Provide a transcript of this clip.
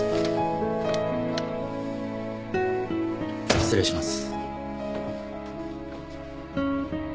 失礼します。